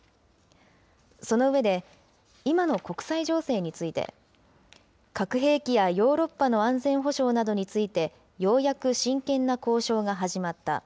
その上で、今の国際情勢について、核兵器やヨーロッパの安全保障などについて、ようやく真剣な交渉が始まった。